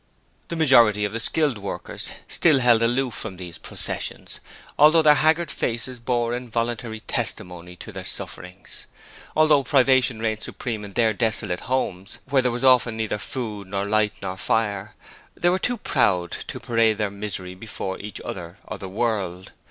The majority of the skilled workers still held aloof from these processions, although their haggard faces bore involuntary testimony to their sufferings. Although privation reigned supreme in their desolate homes, where there was often neither food nor light nor fire, they were too 'proud' to parade their misery before each other or the world.